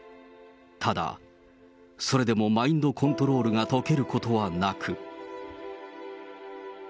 ただ、それでもマインドコントロールが解けることはなく。